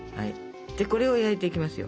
これを焼いていきますよ。